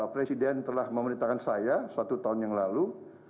presiden telah memerintahkan saya satu tahun yang lalu